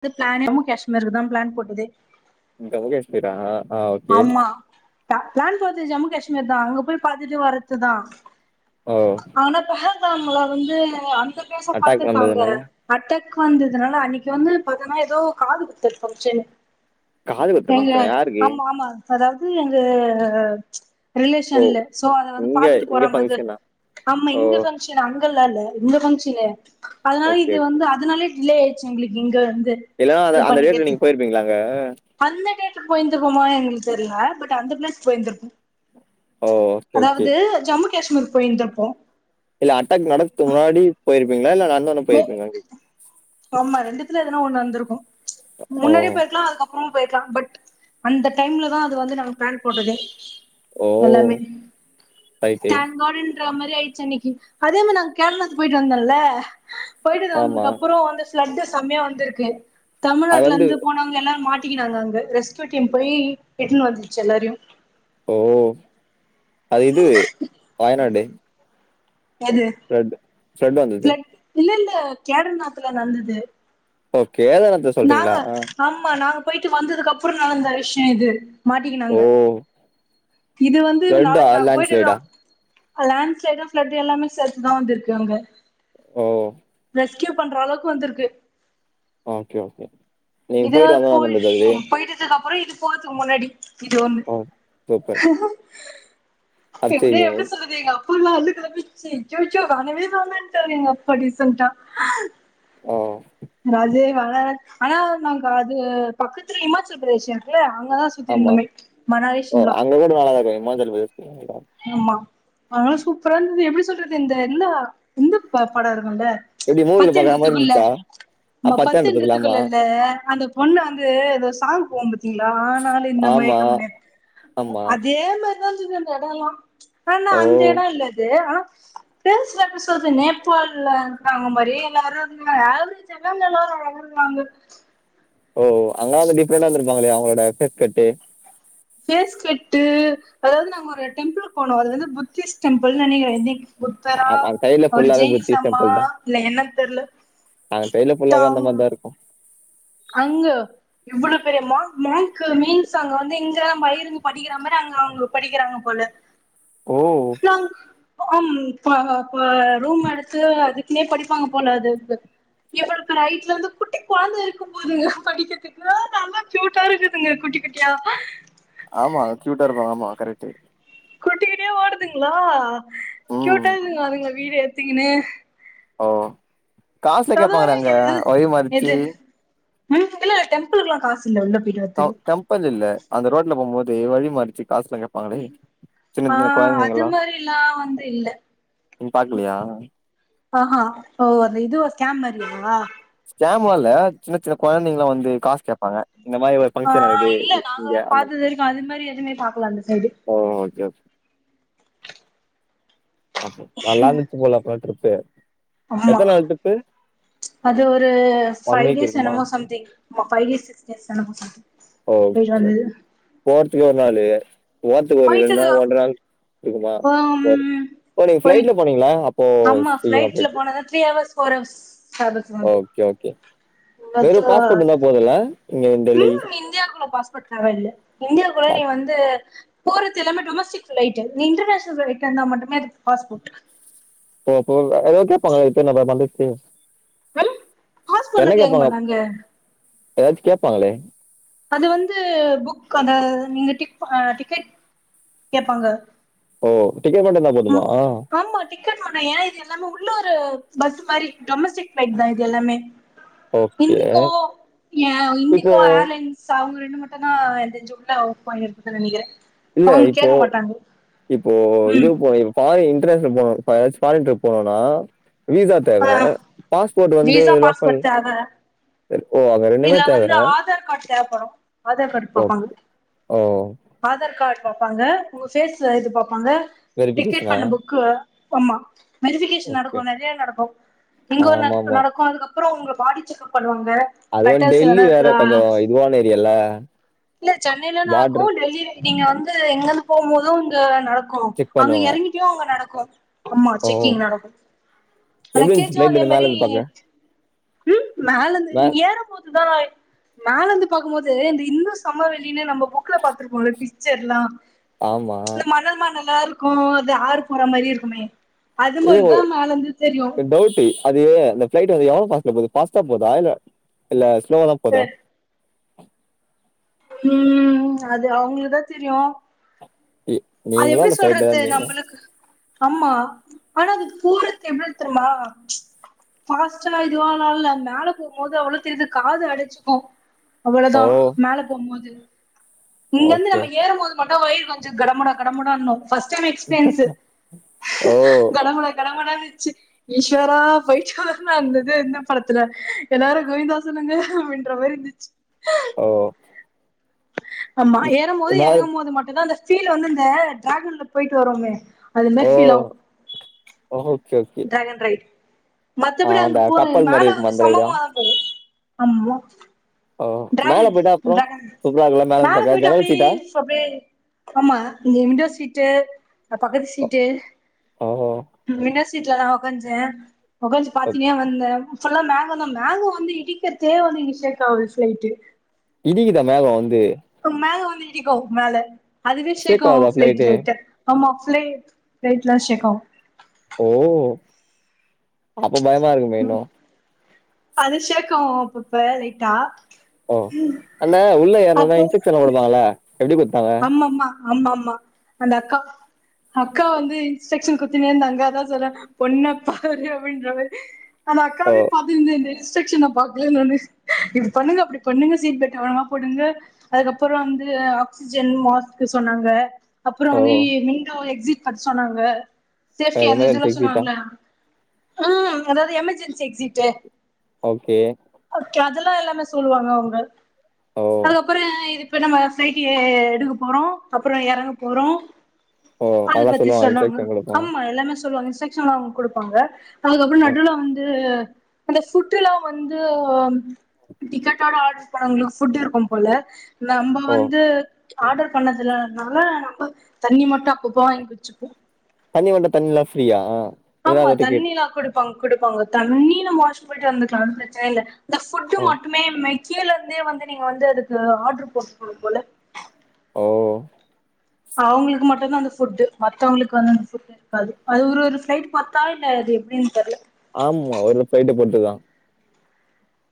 து ப்ளானே ஜம்மு காஷ்மீருக்கு தா ப்ளான் போட்டதே உங்க ஊரு எஸ்டேட்டா ஆமா டா ப்ளான் போட்து ஜம்மு காஷ்மீர் தா அங்க போய் பாத்துட்டு வரதுதா ஓ ஆனா பெஹல்காம்ல வந்து அந்த ஃபேஸ அட்டாக் பாத்துருப்பாங்க வந்ததுனால அட்ட [unintelligible] வந்ததுனால அன்னிக்கு வந்து பாத்தன்னா எதோ காது குத்தற ஃபங்க்ஷன் காது குத்தற ஃபங்க்ஷனா யாருக்கு அ அதாவ்து எங்க ஓ ரிலேஷன்ல சோ அத வந்து இங்க பாத்துட்டு இங்க போறம் போது பங்க்ஷனா ஆம்மா ஓ இங்க ஃபங்க்ஷன் அங்கல்லா இல்ல இந்த ஃபங்க்ஷனு அதுனால ஓகே இது ஓகே வந்து அதுனாலே டிலே ஆயிர்ச்சு எங்களுக்கு இங்க வந் இல்ல அத அந்த டேட்ல நீங் போயிர்ப்பீங்களாங்க அந்த டேட்ல போயிர்ந்திருப்பமா எங்களுக்கு தெரில பட் அந்த ப்ளேஸ் போயிர்ந்திர்ப்போ ஓ ஓகே ஓகே அதாவது ஜம்மு காஷ்மீர்க் போயிர்ந்திர்ப்போ இல்ல அட்டாக் நடக்துக் முன்னாடி போயிருப்பீங்களா இல்ல நடந்தொன்னே மே போயிருப்பீங்களானு கேக் ஆமா ரெண்டுத்துல எதுனா ஒன் நட்ந்திருக்கு ஓ முன்னாடியே போயிர்க்கலா அதுக்கப் றோ போயிர்க்கலா பட் அந்த டைம்ல தா அது வந்து நாங்க ப்ளான் போட்டது ஓ எல்லார்மே ரைட்டு தேங் காடு ன்ற மாரி ஆயிர்ச்சி அன்னிக்கு அதே மார் நாங் கேரளாக்கு போயிட்டு வந்தோல்ல போயிட்டு ஆமா வந்ததுக்கப் அந்த ஃப்ளட்டு செமையா வந்திருக்கு அது வந்து தமிழ்நாட்லருந்து போனாங்க எல்லாரு மாட் டிகினாங்க அங்க ரெஸ்க்யூ டீம் போயி எட்துன்னு வந்துருச்சி எல்லாரியு ஓ அது இது வயநாடு எது ஃப்ளட் ஃப்ளட் வந்தது ஃப்ல இல்ல இல்ல கேதர்நாத்துல நட்ந்தது ஓ கேதாரநாத்த சொல்றீங்களா நாங்க ஆ. ஆமா நாங்க போய்ட்டு வந்ததுக்கப்றோ நடந்த விஷ்யோ இது ஓ மாட்டிகினாங்க இது வந்து நாள ஃப்ளட்டா நாக் போய்ட்ருக்றோ லேண்ட்ஸ்லைடா அ லேண்ட் ஸ்லைடு ஃப்ளட்டு எல்லாமே சேத்து தா வந்திருக்கு அங்க ஓ ரெஸ்க்யூ பண்றளவுக்கு வந்திருக்கு ஓகே ஓகே நீங்க இதே போயிட்டு வந்தோன போய் நடந்தது அது ஷ் போய்ட்டதுக்கப் பறோ இது போறதுக் முன்னாடி இது ஒன்னு ஓ சூப்பர் இப்ப அது எப்டி தெரியும் எப்டி சொல்றது எங்கப் குல்லா அல்லு காப்பிச்சே சோச்சோ வேணவே வேணான்ட்டாரு எங்கப்பா டீசன்ட்டா ஓ ராஜு வேணா ஆனா நாங்க அது பக்கத்துல ஹிமாச்சல் பிரதேஷ் இருக்குல்ல அங் க தா சுத்தி ஆமா இர்ந்தமே மனாலி, ஓ ஷிம்லா அங்க கூட நல்லாதா இருக்கும் இமாச்சல பிரதேஷ் ஆமா ஆனாலு சூப்பரா இர்ந்துது எப்டி சொல்றது இந்த என்ன இந்த ப படோ இரு ல்ல எப்டி மூவில பாக்குற மாரி பத்தென்றதுகுள்ள இருந்துச்சா மா பத்தாண்டுத்துக்குலாமா பத்தென்றதுகுள்ள இல்ல அந்த ஒன்னவந்து ஏதோ சாங் போங்குது திங்ளா ஆனாலு இந்த ஆமா மைகம் நேத் ஆமா அதே மாரிதா சொன்னாங்க அந்தெடொலா ஆனா ஓ அந்த எடோ இல்லது ஆனா பேஸ்றப்ப சொல்றேங்க இப்போலா தாங்கும்படி எல்லாரு இருங்க ஆவ்து செல்லவ்ங்கெல்லாரு ஆ வாங்க ஓ அங்கலா வந்து டிப்ரெண்டா இருந்துருப்பாங்ளே அவங்ளோட ஃபேஸ் கட்டு ஃபேஸ் கட்டு அதாவ்து நாங்க ஒரு டெம்புள்க் போனோ அது வந்து புத்திஸ்ட் டெம்பிள்ன் நெனைக்கறே இனிக் புத்தரா அந்த சைட்ல அவரு ஃபுல்லாவே ஜெய்னிசம்மா இல்ல என்ன தெர்ல அந் சைட்ல ஃபுல்லாவே அந்த தாங் மாரிதாருக்கு அங்க இவ்வளோ பெரிய மாங்க் மாங்க்கு மீன்ஸ் அங்க வந்து இங்கதாபா இருந்து படிக்கறமாரி அங்க அவ்ங்க படிக்கறாங்க போல ஓ நாங் அம் ப அப்ப ரூம் எடுத்து அது ட்லயே படிப்பாங்கபோல அது இவுருக்கு ரைட்ல வந்து குட்டி கொழந்த இருக் போம்போது படிகத்துக்கு நல்லா க்யூட்டா இருக்குதுங்க குட்டி குட்டியா ஆமா க்யூட்டா இருப்பாங்க ஆமா கரெக்டு குட்டி குட்டியா ஓடுதுங்ளா ம் க்யூட்டா இக்குதுங்க அதுங்கள வீடியோ எத்துகுன்னு ஓஹோ காசுலா கேப்பாங்ளே அங்க வலி மறிச்சி நிம்த்துல டெம்பிள்கலா காஸ் தா டெம்பிள் இல்ல அந்த ரோட்ல போமோது வழி மறிச்சுட் காசுலா கேப்பாங்ளே சின்ன ஆ சின்ன அது கொழந்தைங்களா மாரில்லா வந்து இல்ல நீங் பாக்கலயா ஆஹா ஓ அந்த இதுல ஸ்கேம் பண்ணிருக்காங்ளா கேம்வால்ல சின்ன சின்ன கொழந்தைங்களா வந்து காஸ் கேப்பாங்க இந்த மாரி ஒரு ஆ ஃபங்க்ஷன் வர்து இல்ல நாங்க இங்க அந்த பாத்தது வரைக்கு அது மாரி எதுவுமே பாக்கல அந்த சைடு ஓ சேர் பாப்போ நல்லாந்துச்சு போல போன ட்ரிப்பு ஆமா எத்தனாள் ட்ரிப்பு அது ஒரு ஒன் ஃபைவ் வீக் டேஸ் இருக்குமா எனமோ சம்திங் ஆமா ஃபைவ் டேஸ் சிக்ஸ் டேஸ் எனமோ சம்திங் ஓ போயிட்டு ஓக்கே வந்தது போர்துகே ஒரு நாளு போர்துக்கு ஒரு போயிட்டு ரெண் நாள் ஒன்ற நாள் இருக்குதா ம் ஓ நீங்க போயிட் ஃப்ளைட்ல போனீங்குல ஆமா ஃப்ளைட்ல போனாதா three hours four hours travels ஆகுது வேறு பாஸ்போட் இருந்தா போதுல இங்க டெல்லி பாஸ்போட் தேவல்ல இந்தியாக்குள்ள நீ வந்து போறத் து எல்லாமே டொமஸ்டிக் ஃப்ளைட்டு நீ இன்டர்நேஷ்னல் ஃப்ளைட்லருந்தா மட்டுமே அதுக் பாஸ்போட் போவ போவ எதாத் கேப்பாங்ளா இப்ப நம்ப வந்துச்சு கம் பாஸ்போட்லா கேக்க மாட்டாங்ளே எதாச் கேப்பாங்ளே அது வந்து புக் அந்த நீங்க டிக் ஆ டிகெட் கேப்பாங்க ஓ டிக்கெட் மட்டு இருந்தா போதுமா ஆமா டிக்கெட் ஆமா ஏ இது எல்லாமே உள்ளூரு பஸ்ஸு மாரி டொமஸ்டிக் ஃப்ளைட் தா இது எல்லாமே ஓகே இன்டிகோ ஏ இப்போ இன்டிகோ ஆர்லைன்ஸ் ப அவுங்க ரெண்டு மட்டுதா எனக் தெஞ்சு உள்ள வொர்க் பண்ணிருக்குது நெனைகுற இல்ல இப்போ இப்போ இது ம் இப்போ ஃபாரின் வகேஷன் போனு இப்ப எதாசு ஃபாரின் ட்ரிப் போனுனா வீசா தேவ ஆ பாஸ்போட் வந்து விசா லோக்கல் பாஸ்போர்ட் தேவ ஓ அங்க ரெண்டுமே இதுல தேவ வந்து ஆதார் காட் தேவபடு ஆதார் காட் ஓ பாப்பாங்க ஓ ஆதார் காட் பாப்பாங்க உங்க ஃபேஸ்ல இது பாப்பாங்க டிக்கெட் வெரிஃபிகேஷனா பண்ண புக்கு ஆமா வெரிஃபிகேஷன் ஓகே நடக்கு நெறய நடக்கு இங்க ஒரு ஆமா நட் ஆமா நடக்கு அதுக்கப் அப்றோ உங்கள பாடி செக்கப் பண்ணுவாங்க அதுவு பெட்டல்ஸ் டெல்லி எதனா வேற இருக்குதா கொஞ்சோ இதுவான ஏரியால இல்ல சென்னைல நடகு பார்டர் டெல்லில நீங்க வந்து எங்காது போம்மோது உங்க நடக் கு செக் அங்க பண்ணுவாங்க எறங்கிட்டியு அங்க நடக்கு ஆமா ஓ செக்கீங் நடக்கு எப்டி இருந்துச்சு லகேச்சு ஃபிளைட்ல அதே இருந்து மேல மாரி இருந்து பாக்க ம் மேலந்து மே ஏற போதுதா மேலந்து பாக்குபோது இந்த இந்து சமவெளினு நம்ம புக்குல பாத்துருக்கோம்ல பிக்சர்லா ஆமா இந்த மணல் மணலா இருக்கு அது ஆறு போற மாரி இருக்குமே அது ஏ மாரிதா மேல இருந்து தெரியு டவுட் அது ஏ இந்த ஃபிளைட் வதியோ ஃபாஸ்ட்ல போது ஃபாஸ்டா போதா இல்ல இல்ல ஸ்லோவா தா போதா ம் அது அவுங்களுதா தெரியு அது நீங்களா எப்டி இல்ல ஃபிளைட்ல தா சொல்றது இருந்தீங்க நம்புளுக்கு ஆம்மா ஆனா அது தூறத் எவ்ளோ தெருமா ஃபாஸ்டா இதுவால் ல்ல மேல போம்போது அவ்ளோ தெரிது காது அடச்சுக்கு அவ்ளோதா ஓ மேலே போம் போது இங்க வந்து ஓகே நம்ம ஏறும்போது மட் ன்னா வயிறு கொஞ்சோ கடமுடா கடமுடானு ஃபஸ்ட்டன்ன எக்ஸிபியன்ஸ்சு ஓ கட முட கடமுடனு ஈஸ்வரா போய்ட் இருந்தது இந்த படத்துல எல்லாரு கோய்ந்தா சொல்லுங்க அப்டின்ற மாரி இருந்துச்சு ஓ ஆமா ஏறு போது மேல எறங்கு போது மட்டு தா அந்த சீல் வந்து இந்த டிராகன்ல போயிட்டு வருமே அது ஓ மாரி feel okay okay dragon ride ஆ மத்தபடி அங்க அந்த போ கப்பல் மேல மாரி இருக்குமா வந்து அந்த ரைடா சம்மதா போவு ஆமா ஓ மேல டிராகன் போயிட்டா அப்றோ டிராகன் சூப்பரா இருக்குல்ல இருந்து மேல பாக்க போட்டு ஜன்னல் அப்டி சீட்டா [unintelligible] ஆமா இந்த விண்டோ சீட்டு பக்கத்து ஓ சீட்டு ஓ வினோ சீட்ல நா உக்கான்ச்சே உகான்ஞு ஓ பாத்தினே வந்த ஃபுல்லா மேகந்த மேங்க வந்து இடிக்கிறதே வந்து இங்கிஷேக் ஆவ் ப்ளைட்டு இடிகிதா மேக வந்து மேக வந்து இடிக்கு மேல அதுவே சேக் ஷேக் ஆகு ஆவுதா ப்ளைட் ஃப்ளைட்டு லைட்ட ஆமா பிளே ப்ளைட்ல சேக் ஆவு ஓ அப்ப பயமா இருக்குமே இன்னு அது சேக் ஆவு அப்பப்ப லைட்டா ஓ அந்த உள்ள ஏர்னோன்ன அப்போ இன்செக்ஷன் கொடுப்பாங்கள எப்டி கொட்த்தாங்க ஆம்மாமா அந்த அக்கா அக்கா வந்து இன்ஸ்ட்ரக்ஷன் குத்தினேந்துங்க தா சொல்றே பொண்ணப்பாரு அப்படின்றவர்ரு அந்த ஓ அக்காவே பாத்தி [unintelligible] இன்ஸ்ட்ரக்ஷன பாக்கல நானு இப்ண்ணுங்க அப்பண்ணுங்க சீட் பெட்மா போடுங்க அதுக்கப்புற வந்து ஆக்சிஜன் மாஸ்க் சொன்னாங்க அப்புறோ ஓ வந்து விண்டோ எக்ஸிட் பத் சொன்னாங்க சேப்டி அந்த இதுல்லா எமர்ஜென்சி எக்ஸிட்டா சொல்லுவாங்களா ஆ அதாவது எமெர்ஜென்சி எக்சிட்டு ஓகே கே அதெல்லா எல்லாமே சொல்லுவாங்க அவங்க ஓ அதுக்கப்புற இப்ப நம்ம ஃப்ளைட் எடுக்க போறோ அப்றோ எறங்க போறோ ஓ அது அதெல்லா பத்தி சொல்லுவாங்க சொன்னாங்கோ இன்ஜெக்ஷன் குடுப்பாங்க ஆமா எல்லாமே சொல்வாங்க இன்ஸ் செக்ஷன் அவங்க கொடுப்பாங்க அதுக்கப்புற ஓ நடுல வந்து அந்த சுற்றுலா வந்து டிக்கெட்டோட ஆர்டர் பண்ணவங்களுக்கு புட் இருக்கு போல நம்ம ஓ வந் ஆர்டர் பண்ணதுலனால நம்ம தண்ணி மட்டும் அப்பப்ப வாங்கி வச்சுப்போ தனி வண்ட தண்ணில்லா ஃப்ரீயா இல்ல ஆமா அது தண்ணி டிக்கெட் எல்லா குடுப்பாங்க குடுப்பாங்க தண்ணி நம் வாஸ் போயிட்டு வந்துக்கலா அது பிரச்சன இல்ல இந்த ஃபுட்டு ஓ மட்டுமே மெக்கேல இருந்தே வந்து நீங்க வந்து அதுக்கு ஆர்டரு போட்டுக்கணு போல ஓ அவங்களுக்கு மட்டு தா அந்த புட்டு மத்தவங்களுக்கு வந்து அந்த புட் இருக்காது அது ஒரு ஒரு பிளைட் பத்தா இல்ல எப்டின் தெர்ல ஆமா ஒரு ஃபிளைட்டு போட்டுதா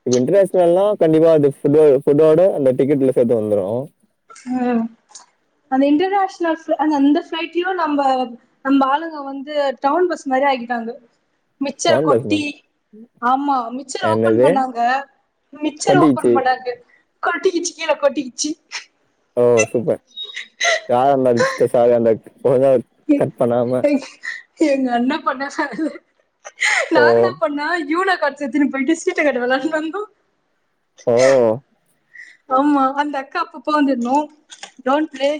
இப்ப இன்டர்நேஷனல்லா கண்டிப்பா அந்த ஃபுட்டோட ஃபுட்டோட அந்த டிக்கெட்ல சேத்து வந்துரு ஆ அந்த இன்டர்நேஷ்னல் ஆஹா அந்த ஃபிளைட்லயு நம்ப நம்ப ஆளுங்க வந்து டவுன் பஸ் மாரி ஆக்கிடாங்க மிச்ச டவுன் பஸ் கொட்டி மேம். ஆமா மிச்சர் ஓபன் என்னது? பண்ணாங்க மிச்சர் ஓபன் கொட்டிக்கிச்சு. பண்ணாங்க கொட்டிக்கிச்சு கீழே கொட்டிக்கிச்சு ஓ சூப்ப யார் அந்த அதிச்ட்ட சாதா பேக் சொல்லுங்க கட் பண்ணாம எங் எங்க அண்ண பண்ணா சார் ஓ! நாங்க என்னா பண்ணா யூனோ காட்ஸ் எத்துனு போய்ட்டு ஸீட்டகட் வெளாண்டு வந்தோ ஓ ஆமா அந்த அக்கா அப்ப அப்போ வந்து மா டோன்ட் ப்ளே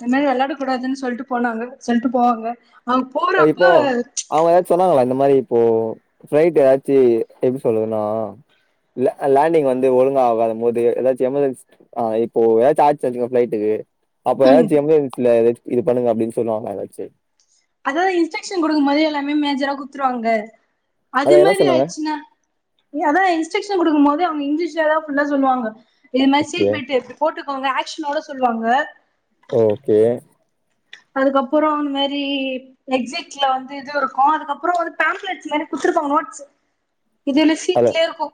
அது மாரி வெளாடக் கூடாதுன்னு சொல்ட்டு போனாங்க சொல்ட்டு போவாங்க அவங்க ஓ போறப்ப இப்போ அவங்க ஏதாச்சு சொன்னாங்களா இந்த மாரி இப்போ ஃப்ளைட்ல எதாச்சு எப்டி சொல்றதுன்னா ல லேண்டிங் வந்து ஒழுங்கா ஆகாதும் போது ஏதாச்சு எமர்ஜென்ச் ஆ இப்போ ஏதாச்சு ஆச்சு அப்டிங்னா ஃபிளைட்டுக்கு அப்ப ம் ஏதாச்சு எம்ஜன்ஸில எதாச்சு இது பண்ணுங்க அப்டின்னு சொல்லுவாங்களா ஏதாச்சு அதா இன்ஸ்ட்ரக்ஷன் கொடுக்கும்போது எல்லாமே மேஜரா குத்துருவாங்க அது அத என்ன மாரி சொன்னாங்க? ஆயிச்சுனா அதா இன்ஸ்ட்ரக்ஷன் கொடுக்கும் போது இல்ல அவங்க இங்கிலீஷ்ல தா ஃபுல்லா சொல்லுவாங்க இ மாரி ஓகே. சீட் பெல்டு எத்து போட்டுக் அவங்க ஆக்ஷனோட சொல்லுவாங்க ஓகே. அதுக்கப்பறோ அந் மாரி எக்ஸிட்ல வந்து இது இருக்கு அதுக்கப்புறோ வந்து பாம்ப்லெட்ஸ் மாரி குடு இருப்பாங்க நோட்ஸ் இது என்ன அல சீட்லே இருக்கு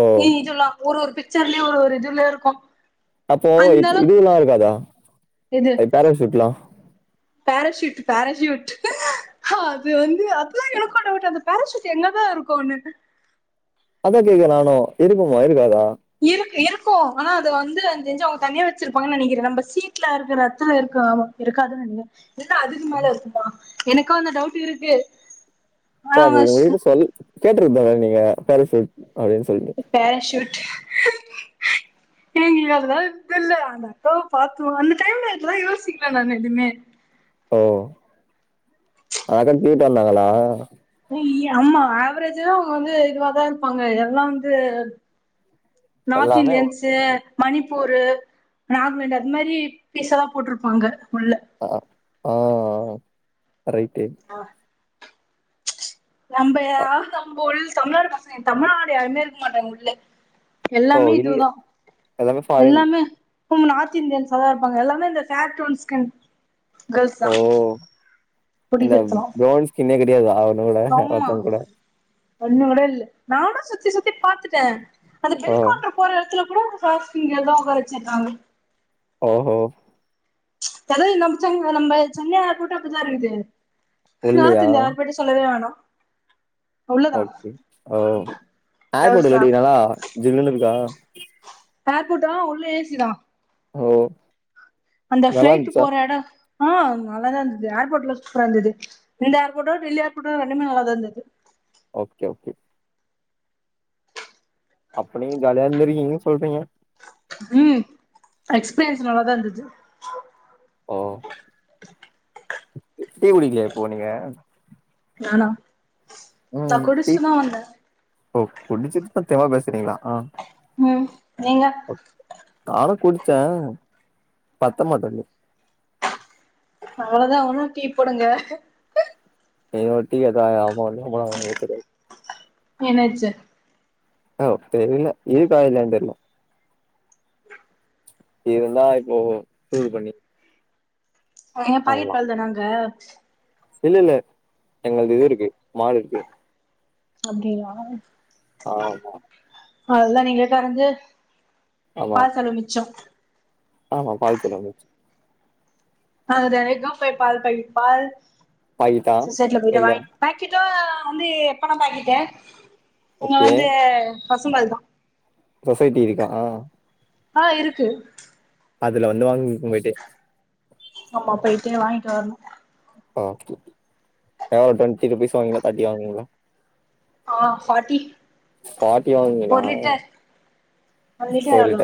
ஓ ஏ இதுல்லா ஒரு ஒரு பிக் ச்சர்ல ஒரு இதுல இருக்கு அப்போ அந்த அளவு இதுல்லா இருக்காதா பேரஷூட்ல்லா பேரஷூட் பேரஷூட் ஹா அது வந்து அதுதா எனக்கு டவுட்டு அந்த பேராஷூட் எங்கதா இருக்குன்னு அதா கேக்கற நானு இருக்குமா இருக்காதா இக்கு இருக்கு ஆனா அது வந்து என்கு தெரிஞ்சு அவங்க தனியா வெச்சிருப்பாங்கன் நெனைக்கிறே நம்ம சீட்ல இருக்குற எத்துல இருக்கு ஆமா இருக்காது நெனக்கிறே இல்ல அதுக்கு மேல இருக்குமா எனக்கு அந்த டவுட் இருக்கு ஆனா ஆ உ உங்ககிட்ட சொல்லு கேட்டிருதே நா நெனக்கிறே பேரஷூட் அப்டின்னு சொல்ட்டு நா நீ நா இருந்தாலு தெர்ல அந்த அக்காவ பா்த்தோ அந்த டைம்ல அப்பில்லா யோசிக்கல நானு எதுவுமே ஓ அதா போய்டு வந்தாங்களா இ ஆமா ஆவரேஜா அவங்க வந்து இதுவதா இருப்பாங்க எல்லா வந்து நாத் எல்லாமே உ இந்தியன்ஸு மணிப்பூரு நாக்மெண்டா அது மாரி பீ பீசாதா போட்ருப்பாங்க உள்ள ஆ ஆ ரைட்டு நம்ப அ யாரு தம் போலீஸ் நம்ம தமிழ்நாடு பசங்க தமிழ்நாடு யாருமே இருக்க மாட்டாங்க உள்ள ஓ எல்லாமே இல்ல இதுதா எல்லாமே ஃபாரின் எல்லாமே நார்த் இந்தியன்ஸ் ஆ தா இருப்பாங்க எல்லாமே அந்த ஃபேர் டோன் ஸ்கின் கேர்ள்ஸ் தா ஓ அந்த புடிக்கறதுலா பிரவுன் ஸ்கின்னே கெ டையாதா ஒன்னு கூட ஆமா ஒருத்தவந்க கூட ஒண்ணு கூட இல்ல நானு சுத்தி சுத்தி பாத்துட்டே அந்த ஓ ஹெலிகாப்டர் போற எடத்துல கூட [unintelligible] உக்கார வெச்சிருக்காங்க ஓஹோ கதவ நம்பபுச்ங்க நம்ப சென்னை கூட்ட அப்டிதா இருக்குது நார்த் ஒல்லியா இந்தியா ஏர்போடு சொல்லவே வேனா ஓகே ஓ [unintelligible] நல்லா ஜில்லுனு இருக்கா ஹேர்போட்டா உள்ள ஏசி தா ஓ அந்த நல்லா பிளைட்டு இருந்துச்சா போற எடோ ஆஹ் நல்லாதா இருந்தது ஏர்போர்ட்லா சூப்பராருந்தது இந்த ஏர் போட்டோ டில்லி ஏர்போட்டோ ரெண்டுமே நல்லாதா இருந்தது ஓகே ஓகே போய்பீங்க ம் எக்ஸ்பீரியன்ஸ் நல்லாதா இருந்தது ஓ டீ குடிக்கலயா இப்போ நீங்க நானா நா ம் டீ குடிச்சிட்டு தா வந்த ஓ குடிச்சிட்டுதா தெம்பா பேசுறீங்ளா ம் நீங்க நானும் குடிச்சே பத்த மாட்டேன்து அவ்ளோதா உன்னு டீ போடுங்க இன்னோரு டீ கேட்டா எங்கம்மா வந்து தா போடுவாங்க வெச்ச பால் என்னாச்சு ஓ தெரியல இருக்கா என்னன்னு தெர்ல இருந்தா இப்போ சூடு பண்ணி ஏ பாக்கெட் பால் தானா அங்க இல்லல்ல எங்கள்து இது இருக்கு மாடு இருக்கு அப்டிங்ளா ஆமா அவ்ள்தா நீங்ளே கறந்து ஆமா பால் செலவு மிச்சோ ஆமா பால் செலவு மிச்சோ அது தெனைக்கும் போய் பால்பாகெட் பால் பாக்கிட்டா சொசைட்டில போயிட்டு இல்ல வாங்க பேக்கெட்டா வந்து எத்தனா பாக்கெட்டு இங்க ஓகே வந்து பசும்பால் தா சொசைட்டி இருக்காஹ் ஆஹ் இருக்கு அதுல வந்தா போய்ட்டு ஆமா போயிட்டே வாங்கிட்டு வர்ணு ஒகே ஆ ஒரு டுவெண்ட்டி ருபீஸ் வாங்குவீங்ளா தேர்ட்டி வாங்குவீங்களா ஆஹ் ஃபாட்டி ஃபார்ட்டி வாங்குவீங்களா ஆ ஒருலிட்டர் ஒருலிட்டர் கோயில்கிட்ட எவ்ளோ